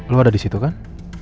lu ada disitu kan